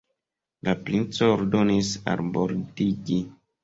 La princo ordonis albordigi.